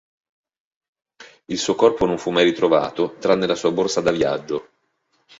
Il suo corpo non fu mai ritrovato, tranne la sua borsa da viaggio.